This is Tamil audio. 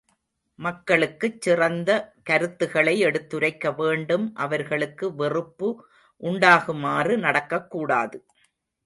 மக்களுக்குச் சிறந்த கருத்துகளை எடுத்துரைக்க வேண்டும் அவர்களுக்கு வெறுப்பு உண்டாகுமாறு நடக்கக் கூடாது.